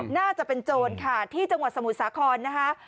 น่าจะเป็นโจรค่ะที่จังหวัดสมุทรสาครนะคะ